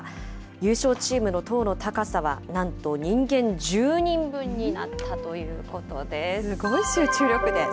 優勝チームの塔の高さは、なんと人間１０人分になったということです。